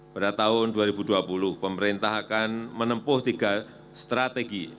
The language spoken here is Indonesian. pada tahun dua ribu dua puluh pemerintah akan menempuh tiga strategi